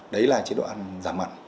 đấy là chế độ ăn giảm mặn